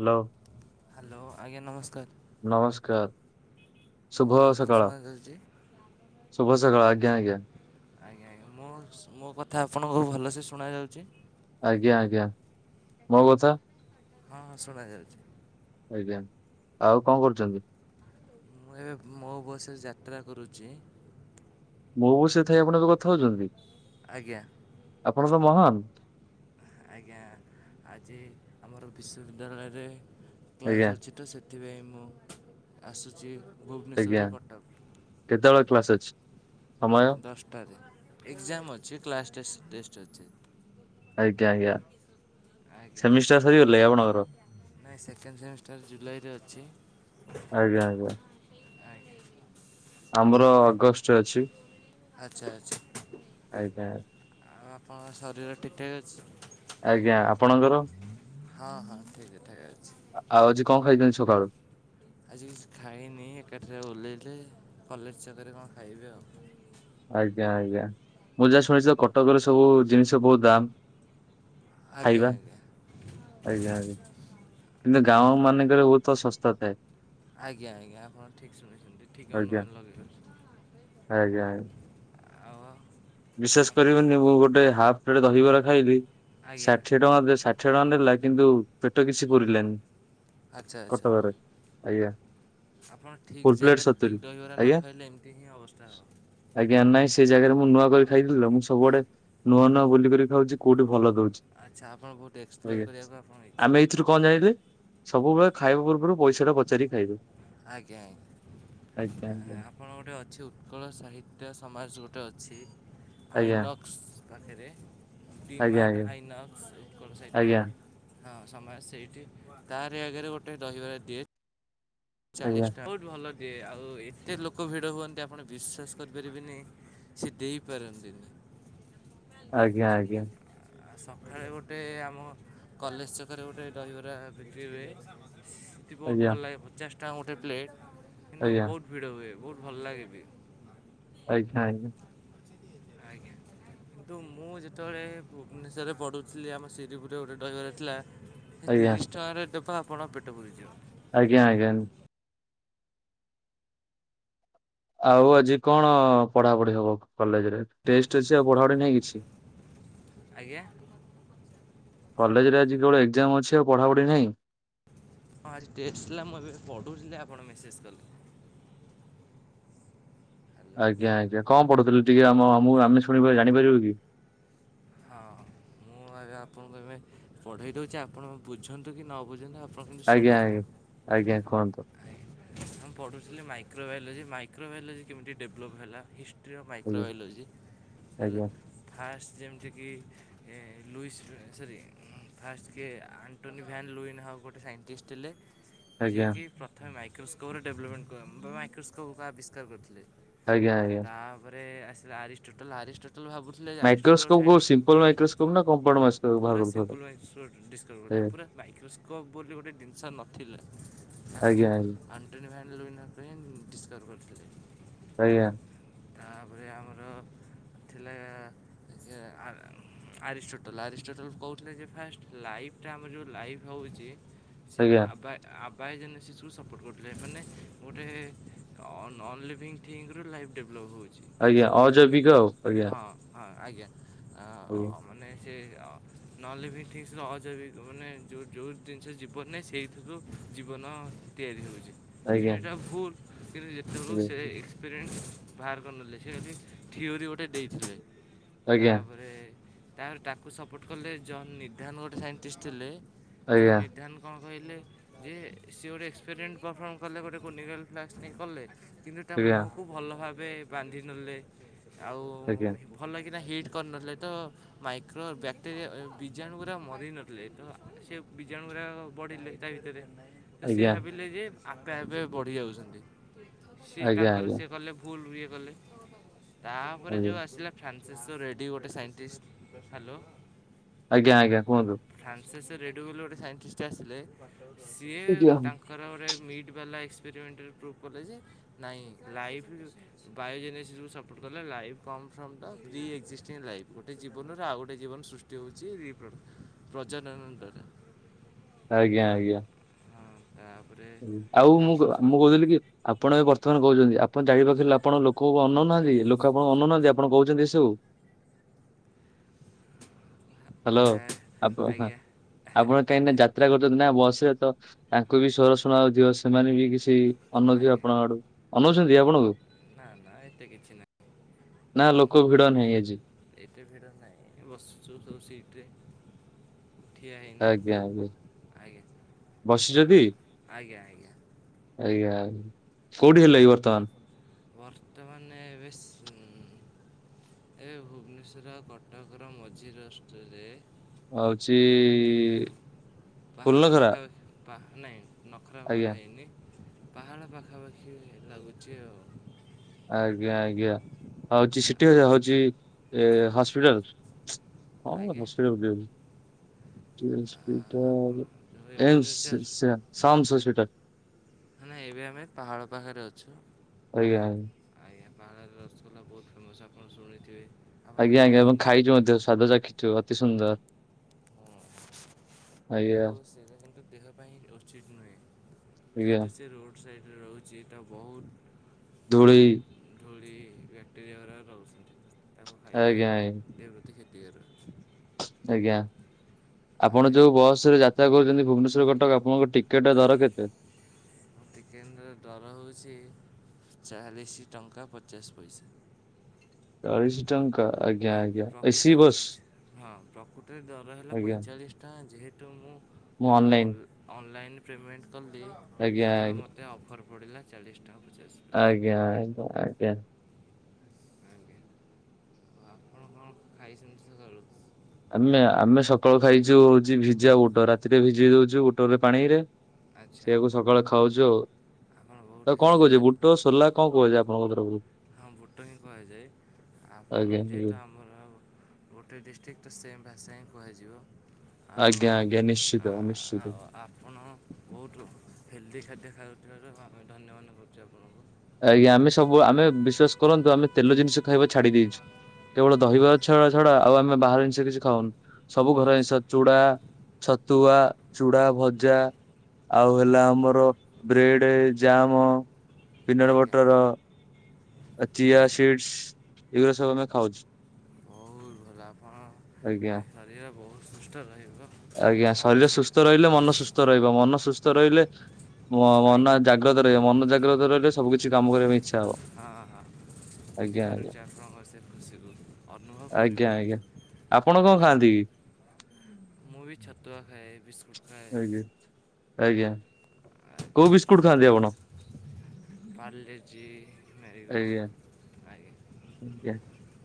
Hello. Hello ଆଜ୍ଞା ନମସ୍କାର। ନମସ୍କାର ମୋ ଶୁଭ କଥା ଆପଣଙ୍କୁ ସକାଳ ଶୁଣାଯାଉଛି? ଶୁଭ ସକାଳ ଆଜ୍ଞା ଆଜ୍ଞା। ଆଜ୍ଞା ଆଜ୍ଞା ମୁଁ ମୋ କଥା ଆପଣଙ୍କୁ ଭଲସେ ଶୁଣ ଯାଉଛି। ଆଜ୍ଞା ଆଜ୍ଞା ମୋ କଥା। ହଁ ହଁ ଶୁଣାଯାଉଛି। ଆଜ୍ଞା ଆଉ କଣ କରୁଛନ୍ତି। ମୁଁ ଏବେ ମୋ ବସ ଯାତ୍ରା କରୁଛି। ମୋ ବସ୍ ରେ ଥାଇ ଆପଣଙ୍କ କଥା ହଉଛନ୍ତି। ଆଜ୍ଞା। ଆପଣ ତ ମହାନ। ଆଜ୍ଞା ଆଜି ଆମର ବିଶ୍ୱବିଦ୍ୟାଳୟରେ କ୍ଲାସ୍ ଆଜ୍ଞା ଅଛି ତ ସେ ସେଥିପାଇଁ ମୁଁ ଆସୁଛି ଆଜ୍ଞା ଭୁବନେଶ୍ୱରରୁ କଟକ। କେତେବେଳେ କ୍ଲାସ ଅଛି। ସମୟ ଦଶଟାରେ ଏକ୍ଜାମ ଅଛି କ୍ଲାସ୍ ଟେସ ଟେଷ୍ଟ ଅଛି। ଆଜ୍ଞା ଆଜ୍ଞା ଆଜ୍ଞା ସେମିଷ୍ଟର ସରିଗଲା ଇ ଆପଣଙ୍କର? ନାଇଁ ସେକେଣ୍ଡ ସେମିଷ୍ଟାର ଜୁଲାଇରେ ଅଛି। ଆଜ୍ଞା ଆଜ୍ଞା ଆଜ୍ଞା ଆମର ଅଗଷ୍ଟ ରେ ଅଛି। ଆଚ୍ଛା ଆଚ୍ଛା ଆଜ୍ଞା ଆଉ ଆପଣଙ୍କର ଶରୀର ଠିକ ଠାକ ଅଛି। ଆଜ୍ଞା ଆପଣଙ୍କର? ହଁ ହଁ ଠିକ୍ ଠାକ୍ ଅଛି। ଆଉ ଆଜି କଣ ଖାଇଛନ୍ତି ସକାଳୁ? ଆଜି କିଛି ଖାଇନି ଏକାଠାରେ ଓହ୍ଲେଇଲେ କଲେଜ ଛକରେ କଣ ଖାଇବି ଆଉ। ଆଜ୍ଞା ଆଜ୍ଞା ମୁଁ ଯାହା ଶୁଣିଛି ମୋ କଟକରେ ସବୁ ଜିନିଷ ବହୁତ ଦାମ। ଆଜ୍ଞା ଖାଇବା ଆଜ୍ଞା ଆଜ୍ଞା ଆଜ୍ଞା। କିନ୍ତୁ ଗାଁ ଓ ମାନେଙ୍କରେ ବହୁତ୍ ଶସ୍ତା ଥାଏ। ଆଜ୍ଞା ଆଜ୍ଞା ଆପଣ ଠିକ ଶୁଣିଛନ୍ତି ଠିକ ଆଜ୍ଞା। ଅନୁମାନ ଲଗେଇ। ବିଶେଷ ଆପଣ କରିବନି ମୁଁ ଗୋଟେ ହାଫ ପ୍ଲେଟ ଦହିବରା ଖାଇଲି ଆଜ୍ଞା ଷାଠିଏ ଟଙ୍କା ଦେ ଷା ଠିଏ ଟଙ୍କା ନେଲା କିନ୍ତୁ ପେଟ କିଛି ପୁରିଲାନି ଆଚ୍ଛା ଆଚ୍ଛା କଟକରେ ଆଜ୍ଞା। ଆପଣ ଠିକ୍ ଫୁଲ୍ ପ୍ଲେଟ୍ ଜାଗାରେ ସତୁରି ଠିକ୍ ଦହିବରା ନ ଆଜ୍ଞା ଖାଇଲେ ଏମିତି ହିଁ ଅବସ୍ଥା ହେବ। ଆଜ୍ଞା ନାଇଁ ସେ ଜାଗାରେ ମୁଁ ନୂଆ କରି ଖାଇଥିଲି ତ ମୁଁ ସବୁଆଡେ ନୂଆ ନୂଆ ବୁଲିକରି ଖାଉଛି କୋଉଠି ଭଲ ଦଉ ଆଚ୍ଛା ଆପଣ ବହୁତ ଏକ୍ସପ୍ଲୋର କରିବାକୁ ଆପଣଙ୍କ ଆମେ ଏଇଥିରୁ କଣ ଇଚ୍ଛା। ଜାଣିଲେ ସବୁବେଳେ ଖାଇବା ପୂର୍ବରୁ ପଇସା ଟା ପଚାରିକି ଖାଇବୁ। ଆଜ୍ଞା ଆଜ୍ଞା ଆଜ୍ଞା ଆ-ଆପଣ ଗୋଟେ ଅଛି ଉତ୍କଳ ସାହିତ୍ୟ ସମାଜ ଗୋ ଟେ ଅଛି ଆଜ୍ଞା ଆଇନକ୍ସ ପାଖେରେ। ଆଜ୍ଞା ଡିମାର୍ଟ ଆଇନକ୍କ ଉତ୍କଳ ସାଇଟ୍ ଆଜ୍ଞା। ରେ। ହଁ ସମୟ ସେଇଠି ତାରି ଆଗରେ ଗୋଟେ ଦହିବାର ଦିଏ। ଚାଳିଶ ଆଜ୍ଞା ଟଙ୍କା ବହୁତ ଭଲ ଦିଏ ଆଉ ଏତେ ଲୋକ ଭିଡ଼ ହୁଅନ୍ତି ଆପଣ ବିଶ୍ୱାସ କରିପାରିବେନି ସେ ଦେଇପାରନ୍ତିନି। ଆଜ୍ଞା ଆଜ୍ଞା।। ଆ ସକାଳେ ଗୋଟେ ଆମ କଲେଜ ଛକରେ ଗୋଟେ ଦହିବରା ବିକ୍ରି ହୁଏ। ସେଠି ବହୁତ ଭଲ ଲାଗେ ପଚାଶ ଟଙ୍କା ଗୋଟେ ପ୍ଲେଟ କିନ୍ତୁ ବହୁତ ଭିଡ ହୁଏ ବହୁତ ଭଲ ଲାଗେବି। ଆଜ୍ଞା ଆଜ୍ଞା। ଆଜ୍ଞା। [inaudible] କିନ୍ତୁ ମୁଁ ଯେତେବେଳେ ଭୁବନେଶ୍ବରରେ ପଢୁଥିଲି ଆମ ଶିରିପୁରରେ ଗୋଟେ ଦହିବାର ଥିଲା। ଏ ତିରିଶ ଟଙ୍କାରେ ଦେବ ଆପଣଙ୍କ ପେଟ ପୁରିଯିବ। ଆଜ୍ଞା ଆଜ୍ଞା। ଆଉ ଆଜି କଣ ପଢାପଢି ହବ କଲେଜରେ ଟେଷ୍ଟ ଅଛି ଆଉ ପଢାପଢି ନାହିଁ କିଛି। [inaudible] ଆଜ୍ଞା। କଲେଜରେ ଆଜି କେବଳ ଏକ୍ଜାମ ଅଛି ଆଉ ପଢ଼ାପଢି ନାହିଁ। ହଁ ଆଜି ଟେଷ୍ଟ ଥିଲା ମୁଁ ଏବେ ପଢୁଥିଲି ଆପଣ ମେସେଜ କଲେ। ହ୍ୟାଲୋ ଆଜ୍ଞା ଆଜ୍ଞା କଣ ପଢୁଥିଲେ ଟିକେ ଆମ ମୁଁ ଆମେ ଶୁଣିପା ଜାଣିପାରିବୁ କି? ହଁ ମୁଁ ଏବେ ଆପଣଙ୍କୁ ଏବେ ପଢେଇ ଦଉଛି ଆପଣ ବୁଝନ୍ତୁ କି ନ ବୁଝନ୍ତୁ ଆ ଆପଣ ଶୁଣନ୍ତୁ ଆଜ୍ଞା ଆଜ୍ଞା କୁହନ୍ତୁ ମୁଁ ପଢୁଥିଲି ମାଇକ୍ରୋବାଇଲୋଜି ମାଇ ମାଇକ୍ରୋବାୟୋଲୋଜି କେମିତି ଡେଭଲପ୍ ହେଲା ହିଷ୍ଟ୍ରି ଅଫ୍ ଆଜ୍ଞା ମାଇକ୍ରୋବାୟୋଲୋଜି ହେଲା ଆଜ୍ଞା ଫାସ କି ଏ ଲୁଇସ୍ ସରି ଉଁ। ଫାର୍ଷ୍ଟ କିଏ ଆଣ୍ଟୋନି ଭ୍ୟାନ୍ ଲୁଇନ୍ ହବ ଗୋଟେ ସାଇଣ୍ଟିଷ୍ଟ ଥିଲେ। ଆଜ୍ଞା ଯିଏକି ପ୍ରଥମେ ମାଇକ୍ରୋସ୍କୋପର ଡେଭଲପମେଣ୍ଟ କ ବ ମାଇକ୍ରୋସ୍କୋପ କୁ ଆବିଷ୍କାର କରିଥିଲେ। ଆଜ୍ଞା ଆଜ୍ଞା। ତାପରେ ଆସିଲେ ଆରିଷ୍ଟୋଟଲ ଆରିଷ୍ଟୋଟଲ ଭାବୁଥିଲେ ଆରିଷ୍ଟୋଟଲ ମାଇକ୍ରୋସ୍କୋପ ସାଇ କୋଉ ସିମ୍ପଲ ମାଇକ୍ରୋସ୍କୋପ ନା କମ୍ପାଉଣ୍ଡ ମାଇସ୍କୋପ। ପୁରା ସିମ୍ପଲ ମାଇସ୍କୋ ଡି-ଡିସ୍କଭର କରିଥିଲେ ପୁରା ମାଇକ୍ରୋସ୍କୋପ୍ ବୋଲି ଗୋଟେ ଜିନିଷ ନଥିଲା। ଆକୁ ଆଜ୍ଞା ଆଜ୍ଞା ଆଣ୍ଟୋନି ଭ୍ୟାନ ଲୁଇନ ହଁ ଙ୍କ ହିଁ ଡିସକଭର୍ କରିଥିଲେ। ସେୟା। ତାପରେ ଆମର ଥିଲା ଯେ ଆରିଷ୍ଟୋଟଲ ଆରିଷ୍ଟୋଟଲ କହୁଥିଲେ ଯେ ଫାଷ୍ଟ ଲାଇଫ୍ଟା ଆମର ଯେଉଁ ଲାଇଫ୍ ହେଉଛି ସେ ଆଜ୍ଞା ଆ ବା ଆ ବାଏ ଜେନେସିସ୍କୁ ସପୋର୍ଟ କରୁଥିଲେ ମାନେ ଗୋଟେ ନନ୍ ଲିଭିଙ୍ଗ ଥିଙ୍ଗରୁୁ ଲାଇଫ୍ ଡେଭଲପ୍ ହୁଏ। ଆଜ୍ଞା ଅଜୈବିକ ଆଉ ଆଜ୍ଞା। ହଁ ଆଜ୍ଞା। ହୁଏ। ଅ ମାନେ ସେ ନହଲେ ବି ଠିକ୍ସ ଅଜୈବିକ ମାନେ ଯେଉ ଯେଉଁ ଜିନିଷ ଯିବନ ନାହିଁ ସେଇଥିରୁ। ଜୀବନ ତିଆରି ହେଉଛି କିନ୍ତୁ ଆଜ୍ଞା ଏଇଟା ଭୁଲ। କିନ୍ତୁ ଯେତେବେଳ ସେ ଏକ୍ସପେରିଏନ୍ସ ବାହାର କରିନେଲେ ସେଠି ଥିଓରି ଗୋଟେ ଦେଇଥିଲେ। ଆଜ୍ଞା। ତାପରେ ତାକୁ ସପୋର୍ଟ କଲେ ଜନ୍ ନିଧାନ ଗୋଟେ ସାଇଣ୍ଟିଷ୍ଟ ଥିଲେ। ଆଜ୍ଞା ଯୋ ଆଜ୍ଞା ନିର୍ଦ୍ଧାର କଣ? କହିଲେ ଯେ ସିଏ ଗୋଟଏ ଏକ୍ସପେରିମେଣ୍ଟ୍ ପରଫର୍ମ କଲେ ଗୋଟେ କୋନିକାଲ୍ ଫ୍ଲାସ୍ ନେଇ କଲେ। କିନ୍ତୁ ତା ମୁହଁକୁ ଭଲ ଭାବେ ବାନ୍ଧିିନେଲେ ଆଉ ଆଜ୍ଞା ଭଲ କିନା ହିଟ୍ କରିନଥିଲେ ତ ମାଇକ୍ରୋ ବ୍ୟାକ୍ଟେରିଆ ଵୀଜାଣୁ ଗୁରା ମରି ନଥିଲେ ତ ସେ ଵୀଜାଣୁ ଗୁରା ବଢିଲେ ତା ଭିତରେ ତ ସିଏ ଭାବିଲେ ଯେ ଆପେ ଆପେ ବଢି ଯାଉଛନ୍ତି। ସି ଆଜ୍ଞା ଆଜ୍ଞା ତାଙ୍କର ଆଜ୍ଞା। ସିଏ କଲେ ଭୁଲ ଇଏ କଲେ ତାପରେ ଯୋଉ ଆଜ୍ଞା ଆସିଲା ଫ୍ରାନ୍ସିସ୍। ତ ରେଡି ଗୋଟେ ସାଇଣ୍ଟିଷ୍ଟ ହ୍ୟାଲୋ। ଆଜ୍ଞା ଆଜ୍ଞା କୁହନ୍ତୁ। ପ୍ରଫେସର ରେଡ଼ୁ ବୋଲି ଗୋଟେ ସାଇଣ୍ଟିଷ୍ଟ ଆସିଲେ ସିଏ ଆଜ୍ଞା ତାଙ୍କର ଗୋଟେ ମି୍ ଲା ଏକ୍ସପେରିମେଣ୍ଟରେ ପ୍ରୁଭ୍ କଲେ ଯେ ନାଇଁ ଲାଇଫ ବାୟୋଜେନେସୁ ସପୋର୍ଟ କଲେ। ଲାଇଭ କନ ଫ୍ରମ ଟା ଦିଏଗ ଶିଷ୍ଟିମ ଲାଇଫ୍ ଗୋଟେ ଜୀବନରେ ଆଉ ଗୋଟେ ଜୀବନ ସୃଷ୍ଟି ହେଉଛି ପ୍ରଜନନ ଦ୍ଵାରା। ଆଜ୍ଞା ଆଜ୍ଞା। ହଁ ତାପରେ ଆଉ ମୁଁ ଫ୍ରାନ୍ସ ମୁଁ କହୁଥିଲି କି ଆପଣ ଏ ବର୍ତ୍ତମାନ କହୁଛନ୍ତି ଆପଣ ଜାଣି ପାଖ ଆପଣ ଲୋକ ଅନଉନାହାନ୍ତି ଲୋକ ଆପଣଙ୍କୁ ଅନନାହାନ୍ତି ଆପଣ କହୁଛନ୍ତି ଏ ସବୁ। ହ୍ୟାଲୋ ଆପ ଆଜ୍ଞା ଆପଣ କାହିଁକିନା ଯାତ୍ରା କରୁଛନ୍ତି ନା ବସ୍। ତ ତାଙ୍କୁ ବି ସ୍ୱର ଶୁଣାଥିବ ସେମାନେ ବି କିଛି ଅନଉଥିବେ ଆଜ୍ଞା ଆପଣଙ୍କ ଆଡୁ। ଅନଉଛନ୍ତି ଆପଣଙ୍କୁ। ନା ନା ଏତେ କିଛି ନାହିଁ ନା ଅନ ଲୋକ ଭିଡ ସେମିତି ନାହିଁ ଆଜି। ଏତେ ଭିଡ଼ ନାହିଁ ବସୁଛୁ ସବୁ ସିଟ୍ରେ। ଆଜ୍ଞା ଆଜ୍ଞା ଠିଆହେଇନୁ ଆଜ୍ଞା ବସିଛନ୍ତି ଆଜ୍ଞା ଆଜ୍ଞା। ଆଜ୍ଞା କୋଉଠି ହେଲେ ଏ ବର୍ତ୍ତମାନ। ବର୍ତ୍ତମାନ ଏବେ ଶିଉଁ ଏ ଭୁବନେଶ୍ୱର କଟକର ମଝି ରାଷ୍ଟରେ। ହଉଛି ପାହାଡ଼ ଫୁଲନଗରା। ପାଖାପାଖି ପା ନହିଁ ନଖରା ଫଖରା ହେଇନି ପାହାଳ ପାଖାପାଖି ଲାଗୁଛି ଆଉ। ଆଜ୍ଞା ଆଜ୍ଞା ହଉଛି ସେଠି ହଉଛି ଏ ହସ୍ପିଟାଲ। [unintelligible] ଆଜ୍ଞା ଆପଣ ଯେଉଁ ଏ ମ ଏମର୍ଜେନ୍ସି ଆସୁ ସେ ଶମସ ହସ୍ପିଟାଲ। ନା ଏବେ ଆମେ ପାହାଳ ପାଖରେ ଅଛୁ। ଆଜ୍ଞା। ଆଜ୍ଞା ପାହାଡଳର ରସଗୋଲା ବହୁତ ଫେମସ୍ ଆପଣ ଶୁଣିଥିବେ। ଆପଣ ଆଜ୍ଞା କେବେ ଆଜ୍ଞା ଏବଂ ଖାଇଛନ୍ତି? ଖାଇଛୁ ମଧ୍ୟ ସ୍ୱାଦ ଚାଖିଛୁ ଅତି ସୁନ୍ଦର। ହଁ ଆଜ୍ଞା ତ ସେଟା କିନ୍ତୁ ଦେହ ପାଇଁ ଉଚିତ ନୁହେଁ। ଆଜ୍ଞା ଯେହେତୁ ସେ ରୋଡ଼ ସାଇଡ଼ରେ ରହୁଛି ଏଟା ବହୁତ ଧୂଳି। ଧୋଳି ବ୍ୟାକ୍ଟେରିଆ ଗାରା ରହୁଛନ୍ତି ତାକୁ ଖାଇବା ଆଜ୍ଞା ଦେ ବୃତି କ୍ଷତିକାର ଅଛି। ଆଜ୍ଞା ଆପଣ ଆଜ୍ଞା ଯୋଉ ବସରେ ଯାତ୍ରା କରୁଛନ୍ତି। ଭୁବନେଶ୍ୱର କଟକ ଆପଣଙ୍କ ଟିକେଟ୍ ଦର କେତେ। ମୋ ଟିକେଟର ଡର ହେଉଛି ଚାଳିଶ ଟଙ୍କା ପଚାଶ ପଇସା। ଚାଳିଶ ଟଙ୍କା। ଆଜ୍ଞା ନା ଆଜ୍ଞା ଏସି ପ୍ରକୃତରେ ବସ୍ ହଁ ପ୍ରକୃତରେ ଦର ହେଲା ଆଜ୍ଞା ପଇଁଚାଳିଶ ଟଙ୍କା ଯେହେତୁ ତ ମୁଁ ମୁଁ ଅନଲାଇନ ଅନଲାଇନ୍ ପେମେଣ୍ଟ କଲି ଆଜ୍ଞା ତ ଆଜ୍ଞା ମୋତେ ଅଫର୍ ପଡ଼ିଲା ଚାଳିଶ ଟଙ୍କା ପଚାଶ ପଇସା ଆଜ୍ଞା ଆା ଆଜ୍ଞା ଆଜ୍ଞା ଆପଣ କଣ ଖାଇଛନ୍ତି ସଖାଳୁ? ଆମେ ଆମେ ସକାଳୁ ଖାଇଛୁ ହଉଛି ଭିଜା ବୁଟ ରାତିରେ ଭିଜେଇ ଦଉଛୁ ବୁଟରେ ପାଣିରେ। ଆଚ୍ଛା ସେଆକୁ ସକାଳେ ଖାଉଛୁ ଆଉ। ଆପଣ ବହୁତ ଆ କଣ ହେଲ୍ଦି କହୁଛ ଖାଦ୍ୟ ବୁଟ ସୋଲା କଣ କହୁଛି ଆପଣଙ୍କ ତରଫରୁ? ହଁ ବୁଟ ହିଁ କୁହାଯାଏ। ଆପଣ ଆଜ୍ଞା ଯେହେତୁ ଆମର ଗୋଟେ ଡିଷ୍ଟ୍ରିକ୍ଟ। ତ ସେମ୍ ଭାଷା ହିଁ କୁହାଯିବ। ଆଉ ଆଜ୍ଞା ଆଜ୍ଞା ନିଶ୍ଚିତ ଆ ନିଶ୍ଚିତ। ଆପଣ ବହୁତ ହେଲ୍ଦି ଖାଦ୍ୟ ଖାଉଥିବାରୁ ଆମେ ଧନ୍ୟବାନ କରୁଛୁ ଆଉ। ଆଜ୍ଞା ଆମେ ସବୁ ଆମେ ବିଶ୍ଵାସ କରନ୍ତୁ ଆମେ ତେଲ ଜିନିଷ ଖାଇବା ଛାଡି ଦେଇେଛୁ। କେବଳ ଦହିବା ଛ ଛଡା ଆଉ ଆମ ଆମେ ବାହାର ଜିନିଷ କିଛି ଖାଉନୁ ସବୁ ଘର ଜିନିଷ ଆଚ୍ଛା ଚୁଡା ଛତୁଆ ଚୁଡା ଭଜା ଆଉ ହେଲା ଆମର ବ୍ରେଡ ଜାମ ପିନ୍ନର ଆଜ୍ଞା ବୋଟର ଆ ଚିଆ ସିଡସ ଏଇଗୁଡା ସବ ଆମେ ଖାଉଚୁ। ବହୁତ ଭଲ ଆପଣ ଏ ଶରୀର ବହୁତ ସୁସ୍ଥ ରହେ? ଆଜ୍ଞା ଶରୀର ସୁସ୍ଥ ରହିଲେ ମନ ସୁସ୍ଥ ରହିବ ମନ ସୁସ୍ଥ ରହିଲେ ମ ମନ ଆଜ୍ଞା ଜାଗ୍ରତ ରହିବ ମନ ଜାଗ୍ରତ ରହିଲେ ସବୁ କିିଛି କାମ କରିବା ପାଇଁ ଇଚ୍ଛା ହବ। ହଁ ହଁ ଆଜ୍ଞା ଆଜ୍ଞା ବୁଝିପାରୁଛି ଆପଣଙ୍କ ସେ ଖୁସିକୁ ଅନୁଭବ ଆଜ୍ଞା ଆଜ୍ଞା କରିପାରୁଛି। ଆପଣ କଣ ଆଜ୍ଞା ଖାଆନ୍ତି କି? ମୁଁ ବି ଛତୁଆ ଖାଏ ବିସ୍କୁଟ୍- ଖାଏ ଆଜ୍ଞା ଆଜ୍ଞା। କୋଉ ବିସ୍କୁଟ ଖାଆନ୍ତି ଆପଣ? ପାରଲିଜି ଆଜ୍ଞା ମ୍ୟାରିଗୋଲ୍ଡ ଆ ଆଜ୍ଞା।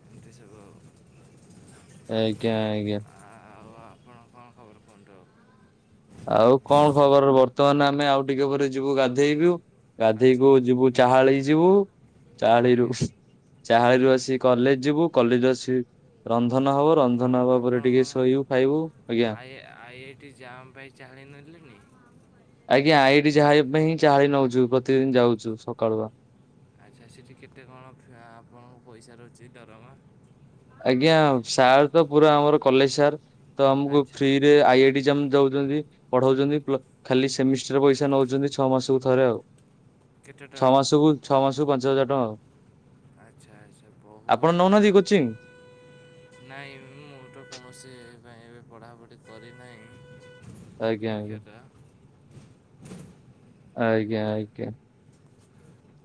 [inaudible] ଆଜ୍ଞା ଆଜ୍ଞା। ଆଉ ଆପଣ କଣ ଖବର କୁହନ୍ତୁ ଆଉ? ଆଉ କଣ ଖବର ବର୍ତ୍ତମାନ ଆମେ ଆଉ ଟିକେ ପରେ ଯିବୁ ଗାଧେଇବୁ ଆଚ୍ଛା। ଗାଧେଇକୁୁ ଯିବୁ ଚାହାଳି ଯିବୁ ଚାହାଳିରୁୁ ଆଜ୍ଞା ଚାହାଳିରୁ ଆସିିକ କଲେଜ ଯିବୁ କଲେଜ ଆସି ର ରନ୍ଧନ ହବ ଆପଣ ରନ୍ଧନ ହବା ପରେ ଆପଣ ଟିକେ କଣ ଶୋଇବୁ ଖାଇବୁ ଆଜ୍ଞା। ଚାଳି ନେଲଣିି [inaudible] ସେଠି ଯାହାବା ପାଇଁ ହିଁ ଚା ନଉଛୁ ପ୍ରତିଦିନ ଯାଉଛୁ ସକାଳୁ ବା। ଆଚ୍ଛା ସେଠି କେତେ କଣ ଖା ଆପଣଙ୍କୁ ପଇସା ରହୁଛି ଦରମା? ଆଜ୍ଞା ସାର୍ ତ ପୁରା ଆମର କଲେଜ ସାର୍। ତ ଆମକୁ ଆଚ୍ଛା ଫ୍ରିରେ ଆଇ ଆଇ ଯାମ ଦେଉଛନ୍ତି। ପଢଉଛନ୍ତି ଖାଲି ସେମିଷ୍ଟର ପଇସା ନଉଛନ୍ତି ଛଅ ମାସକୁ ଥରେ ଆଉ। କେତେ ଟଙ୍କା? ଛଅ ମାସକୁ ଛଅ ମାସକୁ ପାଞ୍ଚ ହଜାର ଟଙ୍କା ଆଉ। ଆଚ୍ଛା ଆଚ୍ଛା ବହୁତ ଆପଣ ଭଲ। ନଉନାହାନ୍ତି କୋଚିଂ? ନାଇଁ ମୁଁ ତ କୌଣସି ପାଇଁ ଏବେ ପଢ଼ାପଢ଼ି କରିନାହିଁ। ଆଜ୍ଞା ଆଜ୍ଞା। ମୁଖ୍ୟତଃ [unintelligible] ଆଜ୍ଞା ଦେଖାଯାଉ ଆଜ୍ଞା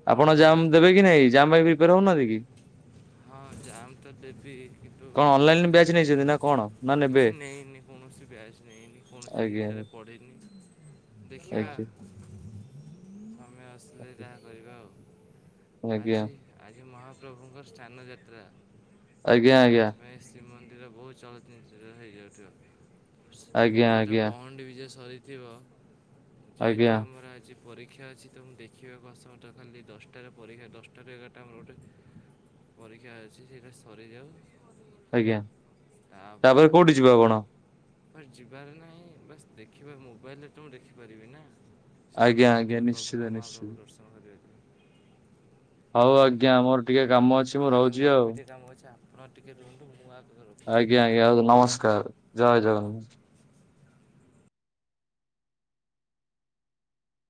କଣ ଆପଣ ଜାମ୍ ହେଉଛି। ଦେବେ କି ନାଇଁ ଜାମ୍ ପାଇଁ ପ୍ରିପେୟାର ହଉନାହାନ୍ତି କି? ହଁ ଜାମ୍ ତ ଦେବି କିନ୍ତୁ କଣ ଅନଲାଇନ ପ୍ରିପା। ବ୍ୟାଚ୍ ନେଇଛନ୍ତି ନା କଣ ନା ନେବେ କିଛି ନେଇନି କୌଣସି ବ୍ୟାଚ ନେଇନି କୌଣସି ଆଜ୍ଞା ଠାରେ ପଢିନି। ଦେଖିବା। ଆଜ୍ଞା। ତମେ ଆସିଲେ ଯାହା କରିବା ଆଉ ଆଜ୍ଞା ଆଜି ଆଜି ମହାପ୍ରଭୁଙ୍କ ସ୍ଥାନ ଯାତ୍ରା। ଆଜ୍ଞା ଆଜ୍ଞା। ପୁରୀରେ ବହୁତ୍ ଚଳଚଞ୍ଚଳ ହେଇଯାଉଥିବ ଆଜ୍ଞା ହୁଏତ ଆଜ୍ଞା ପହଣ୍ଡି ବିଜେ ସରିଥିବ ଆଜ୍ଞା ଯେହେତୁ ଆମର ଆଜି। ପରୀକ୍ଷା ଅଛି ତ ମୁଁ ଦେଖିବାକୁ ଅସମର୍ଥ ହେଲି ଦଶଟାରେ ପରୀକ୍ଷା ଦଶଟାରୁ ଏଗାରଟା ଆମର ଗୋଟେ। ପରୀକ୍ଷା ଅଛି ସେଟା ସରିଯାଉ। ଆଜ୍ଞା ତାପରେ କୋଉଠି ଯିବେ ଆପଣ? କୁଆଡ଼େ ଯିବାର ନାହିଁ ବାସ ଦେଖିବା ମୋବାଇଲରେ ତ ମୁଁ ଦେଖିପାରିବି ନା। ସ୍ଥାନ ଆଜ୍ଞା ଆଜ୍ଞା ଯାତ୍ରା ନିଶ୍ଚିତ ପ୍ରଭୁଙ୍କ ନିଶ୍ଚିତ। ମହାପ୍ରଭୁ ଦର୍ଶନ କରିବା। [unintelligible] ହଉ ଆଜ୍ଞା ମୋର ଟିକେ କାମ ଅଛି ମୁଁ ଆଜ୍ଞା ରହୁଛି ମୋର ଆଉ। ବି ଟିକେ କାମ ଅଛି ଆପଣ ଟିକେ ରୁହନ୍ତୁ ମୁଁ ଆ ଆଜ୍ଞା ଆଜ୍ଞା ଆଉ ନମସ୍କାର ଜୟ ଜଗନ।